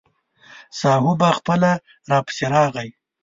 ساهو به خپله راپسې راغی.